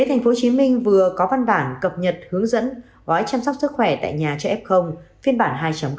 tp hcm vừa có văn bản cập nhật hướng dẫn gói chăm sóc sức khỏe tại nhà cho f phiên bản hai ba